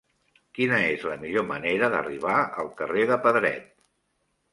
Quina és la millor manera d'arribar al carrer de Pedret?